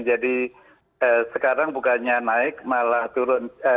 jadi sekarang bukannya naik malah turun